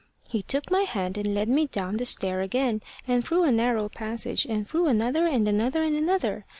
"He took my hand and led me down the stair again, and through a narrow passage, and through another, and another, and another.